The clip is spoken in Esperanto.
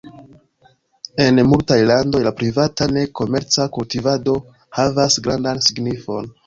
En multaj landoj la privata, ne komerca kultivado havas grandan signifon.